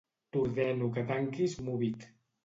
T'ordeno que tanquis Moovit.